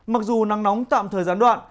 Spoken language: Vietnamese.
mặc dù nắng nóng tạm thời gian đoạn